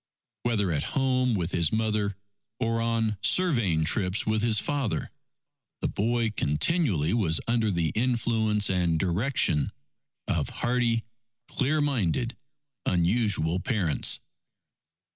Whether at home with his mother, or on surveying trips with his father, the boy continually was under the influence and direction of hardy, clear minded unusual parents.